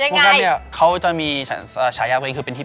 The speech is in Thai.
เพราะฉะนั้นมันจะมีช่างสายอย่างคือ